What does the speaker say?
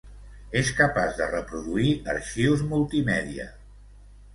És capaç de reproduir arxius multimèdia.